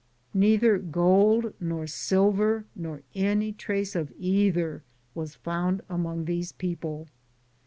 Neither gold nor silver nor any trace of either was found among these peo ple.